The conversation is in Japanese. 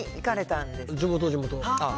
地元、地元。